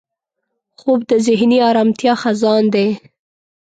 خوب د ذهني ارامتیا خزان دی